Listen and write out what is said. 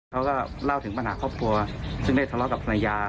เขาก็เล่าถึงปัญหาครอบครัวซึ่งได้ทะเลาะกับภรรยา